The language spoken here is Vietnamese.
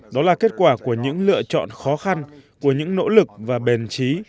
đó là kết quả của những lựa chọn khó khăn của những nỗ lực và bền trí